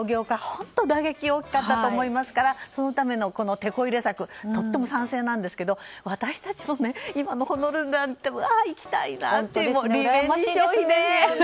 本当に打撃が大きかったと思いますからそのための、てこ入れ策とても賛成なんですけど私たちも今のホノルルなんて行きたいなって。